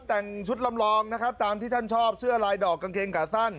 แต่งชุดลำลองนะครับตามที่ท่านชอบเสื้อลายดอกกางเกงขาสั้น